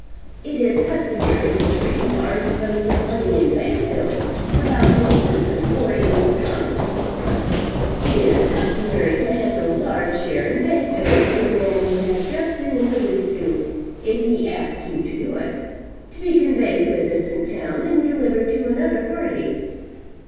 It is customary to carry large sums of money in bank bills about your person or in your trunk. It is customary to hand a large sum in bank bills to a man you have just been introduced to (if he asks you to do it,) to be conveyed to a distant town and delivered to another party.